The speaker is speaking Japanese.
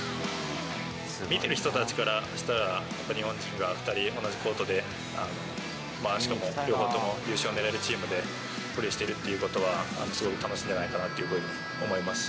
見てる人たちからしたら、やっぱり日本人が２人、同じコートで、しかも両方とも優勝を狙えるチームでプレーしてるってことは、すごく楽しいんじゃないかなというふうに思いますし。